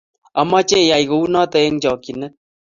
Amache iyai kunoto eng chokchinet